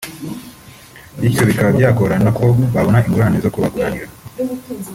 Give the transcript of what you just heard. bityo bikaba byagorana ko babona ingurane zo kubaguranira